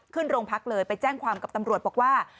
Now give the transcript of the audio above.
ขึ้นโรงพักเลยไปแจ้งความกับตำรวจบอกว่า